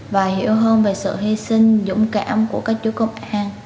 và hiểu hơn về sự hy sinh dũng cảm của các chú công an